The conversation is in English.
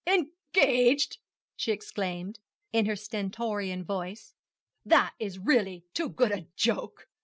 'Engaged?' she exclaimed, in her stentorian voice, 'That is really too good a joke.